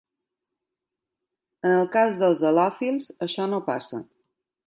En el cas dels halòfils, això no passa.